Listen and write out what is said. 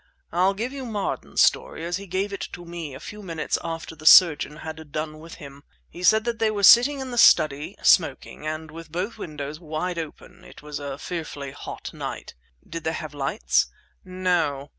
I'll give you Marden's story, as he gave it to me a few minutes after the surgeon had done with him. He said that they were sitting in the study, smoking, and with both windows wide open. It was a fearfully hot night." "Did they have lights?" "No.